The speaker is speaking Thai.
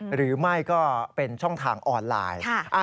หรือไม่ก็เป็นช่องทางออนไลน์